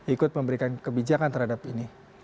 ikut memberikan kebijakan terhadap ini